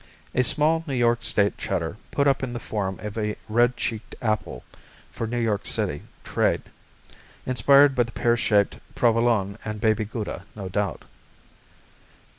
_ A small New York State Cheddar put up in the form of a red cheeked apple for New York City trade. Inspired by the pear shaped Provolone and Baby Gouda, no doubt.